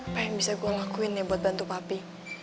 apa yang bisa gue lakuin ya buat bantu papi